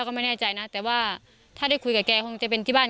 วันไหนครับ